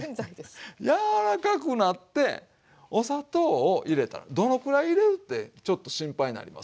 柔らかくなってお砂糖を入れたらどのくらい入れるってちょっと心配になります？